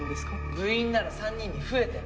部員なら３人に増えてる！